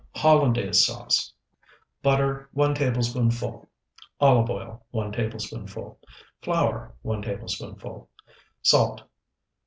HOLLANDAISE SAUCE Butter, 1 tablespoonful. Olive oil, 1 tablespoonful. Flour, 1 tablespoonful. Salt.